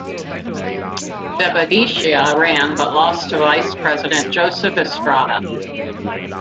De Venecia ran but lost to Vice President Joseph Estrada.